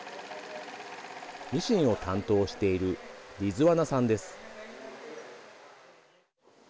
ミシンを担当しているリズワナさんです。